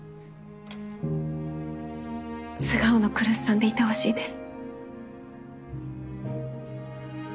素顔の来栖さんでいてほしいです。